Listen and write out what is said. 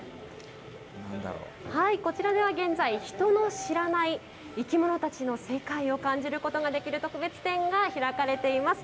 こちらでは現在、人の知らない生き物たちの世界を感じることができる特別展が開かれています。